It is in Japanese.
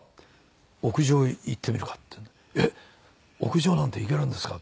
「屋上へ行ってみるか」って言うんで「えっ屋上なんて行けるんですか？」。